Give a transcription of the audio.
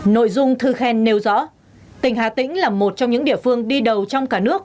nội dung thư khen nêu rõ tỉnh hà tĩnh là một trong những địa phương đi đầu trong cả nước